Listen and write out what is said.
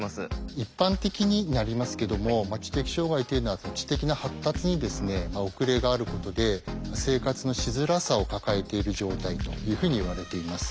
一般的になりますけども知的障害というのは知的な発達に遅れがあることで生活のしづらさを抱えている状態というふうにいわれています。